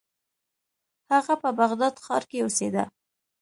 هغه په بغداد ښار کې اوسیده.